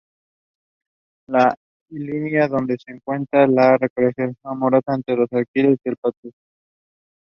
La "Ilíada" donde se cuenta la relación amorosa entre Aquiles y Patroclo.